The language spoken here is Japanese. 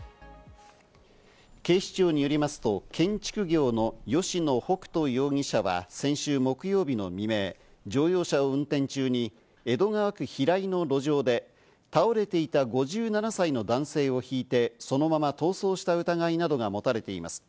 警視庁によりますと、建築業の吉野北斗容疑者は先週木曜日の未明、乗用車を運転中に江戸川区平井の路上で倒れていた５７歳の男性をひいて、そのまま逃走した疑いなどが持たれています。